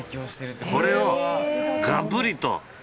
これをガブリと。